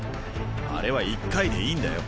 あれは１回でいいんだよ。